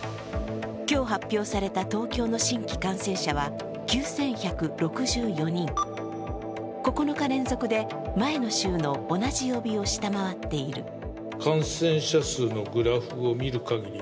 今日発表された東京の新規感染者は９１６４人、９日連続で前の週の同じ曜日を下回っている。